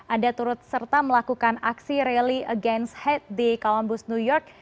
anda turut serta melakukan aksi rally against hate di columbus new york